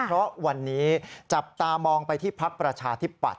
เพราะวันนี้จับตามองไปที่พักประชาธิปัตย